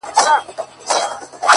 ککرۍ يې دي رېبلي دې بدرنگو ککریو;